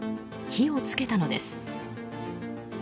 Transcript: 火を付けたのです。